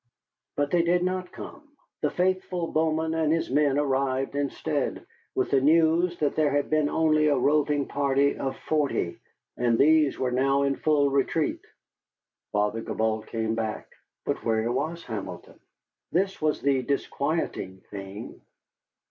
But they did not come. The faithful Bowman and his men arrived instead, with the news that there had been only a roving party of forty, and these were now in full retreat. Father Gibault came back. But where was Hamilton? This was the disquieting thing.